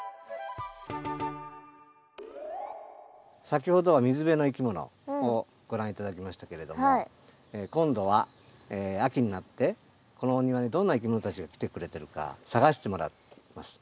先ほどは水辺のいきものをご覧頂きましたけれども今度は秋になってこのお庭にどんないきものたちが来てくれてるか探してもらいます。